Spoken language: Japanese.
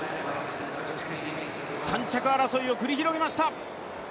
３着争いを繰り広げました。